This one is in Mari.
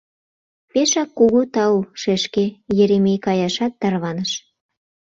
— Пешак кугу тау, шешке, — Еремей каяшат тарваныш.